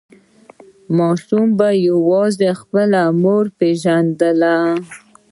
ماشوم به یوازې خپله مور پیژندل.